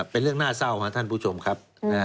เป็นเรื่องน่าเศร้าครับท่านผู้ชมครับ